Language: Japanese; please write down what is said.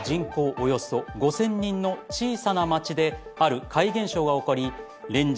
およそ５，０００人の小さな町である怪現象が起こり連日